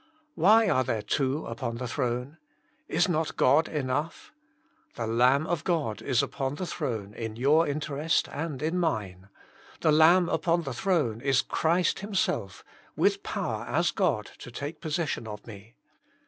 Why are there two upon the Throne ? Is not God enough ? The Lamb of God is upon the Throne in your interest and in mine ; the Lamb upon the Throne is Christ Himself, with power as God to take possession of me.